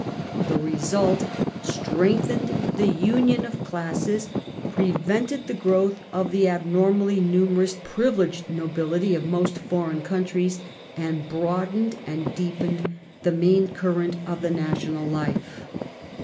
The result strengthened the union of classes, pre vented the growth of the abnormally numerous privileged nobility of most foreign countries, and broadened and deepened the main current of the national life.